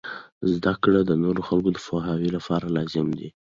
زده کړه د نورو خلکو د پوهاوي لپاره لازم دی.